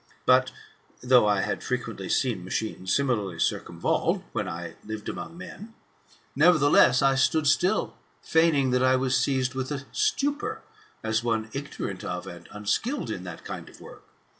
But, though I had frequently seen machines similarly circumvolved, when I lived among men, nevertheless, I stood still, feigning that I was seized with a stupor, as one ignorant of, and unskilled in, that kind of work.